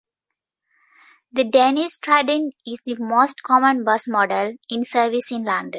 The Dennis Trident is the most common bus model in service in London.